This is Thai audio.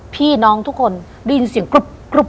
พี่น้องทุกคนได้ยินเสียงกรุ๊ป